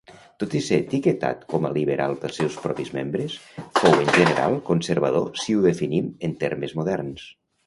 Tot i ser etiquetat com a "liberal" pels seus propis membres, fou en general conservador si ho definim en termes moderns.